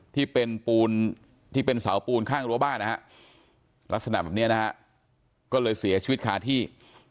ที่เป็นเสาปูนข้างรัวบ้านลักษณะแบบนี้ก็เลยเสียชีวิตคาที่